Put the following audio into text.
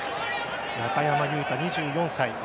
中山雄太、２４歳。